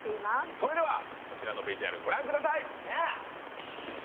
それではこちらのＶＴＲご覧ください。